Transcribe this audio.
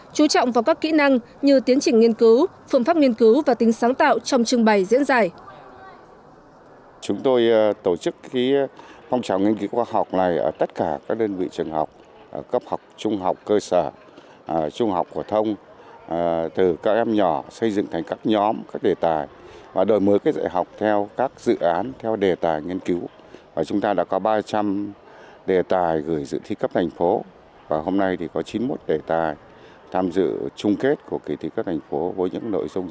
chú trọng vào các kỹ năng như tiến trình nghiên cứu phương pháp nghiên cứu và tính sáng tạo trong trường bày diễn dài